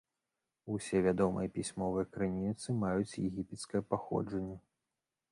Усе вядомыя пісьмовыя крыніцы маюць егіпецкае паходжанне.